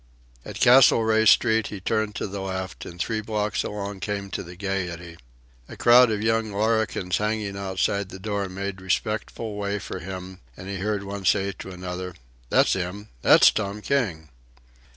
At Castlereagh Street he turned to the left, and three blocks along came to the Gayety. A crowd of young larrikins hanging outside the door made respectful way for him, and he heard one say to another: "That's 'im! That's Tom King!"